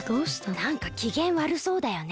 なんかきげんわるそうだよね。